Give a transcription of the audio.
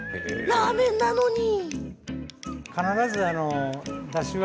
ラーメンなのに。